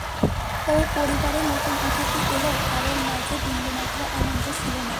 তবে পরিবারে নতুন অতিথি এলেও কারও মাঝে বিন্দুমাত্র আনন্দ ছিল না।